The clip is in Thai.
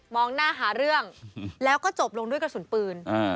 หน้าหาเรื่องแล้วก็จบลงด้วยกระสุนปืน